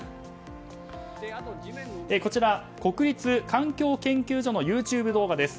こちら、国立環境研究所のＹｏｕＴｕｂｅ動画です。